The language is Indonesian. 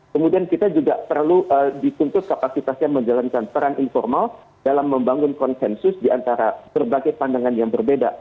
kemudian kita juga perlu dituntut kapasitasnya menjalankan peran informal dalam membangun konsensus diantara berbagai pandangan yang berbeda